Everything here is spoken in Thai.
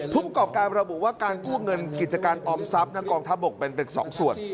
ประกอบการระบุว่าการกู้เงินกิจการออมทรัพย์นักกองทัพบกเป็นเป็น๒ส่วน